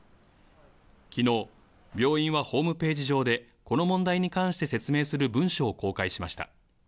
きのう、病院はホームページ上で、この問題に関して説明する文書を公開しました。